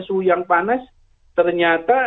suhu yang panas ternyata